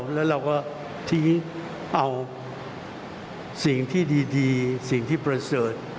แล้วเราก็ทิ้งเอาสิ่งที่ดีสิ่งที่ประเสริฐ